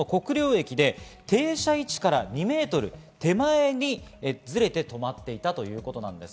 国領駅で停車位置から２ｍ手前にズレて止まっていたということです。